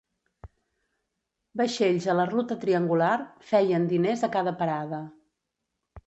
Vaixells a la ruta triangular feien diners a cada parada.